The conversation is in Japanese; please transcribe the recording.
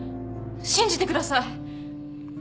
信じてください！